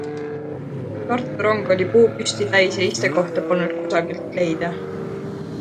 Tartu rong oli puupüsti täis ja istekohta polnud kusagilt leida.